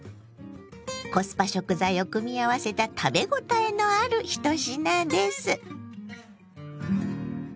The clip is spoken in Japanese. コスパ食材を組み合わせた食べ応えのある１品です。